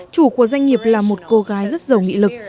chủ của doanh nghiệp là một cô gái rất giàu nghị lực